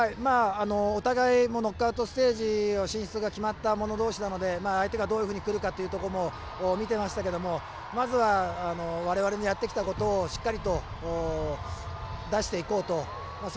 お互いノックアウトステージ進出が決まった者同士なので相手がどういうふうに来るのかというところも見てましたけれどもまずは我々のやってきたことをしっかりと出していこうと。